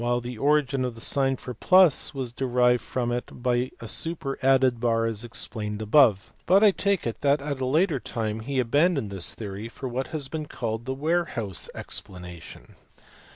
the origin of the sign for plus was derived from it by a super added bar as explained above : but I take it that at a later time he abandoned this theory for what has been called the warehouse explanation.